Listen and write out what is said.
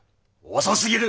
遅すぎる！